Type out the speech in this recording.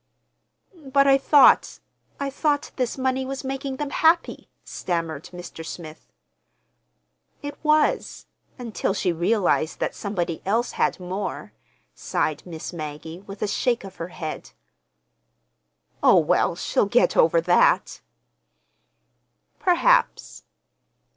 "But I thought—I thought this money was making them happy," stammered Mr. Smith. "It was—until she realized that somebody else had more," sighed Miss Maggie, with a shake of her head. "Oh, well, she'll get over that." "Perhaps."